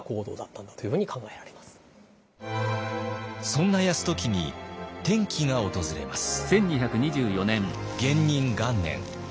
そんな泰時に転機が訪れます。